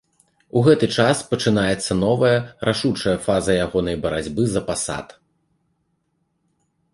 У гэты час пачынаецца новая рашучая фаза ягонай барацьбы за пасад.